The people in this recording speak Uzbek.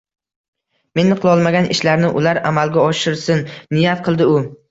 Men qilolmagan ishlarni ular amalga oshirsin — niyat qildi u